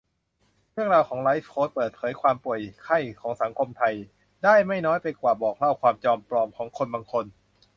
เรื่องราวของไลฟ์โคชเปิดเผยความป่วยไข้ของสังคมไทย ได้ไม่น้อยไปกว่าบอกเล่าความจอมปลอมของคนบางคน